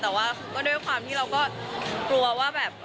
แต่ว่าก็ด้วยความที่เราก็กลัวว่าแบบ